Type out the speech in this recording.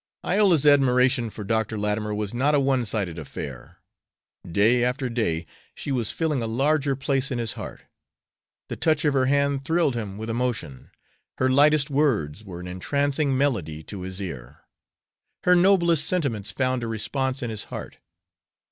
Iola's admiration for Dr. Latimer was not a one sided affair. Day after day she was filling a larger place in his heart. The touch of her hand thrilled him with emotion. Her lightest words were an entrancing melody to his ear. Her noblest sentiments found a response in his heart.